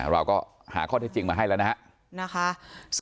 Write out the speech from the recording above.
เราก็หาข้อเท็จจริงมาให้แล้วนะครับ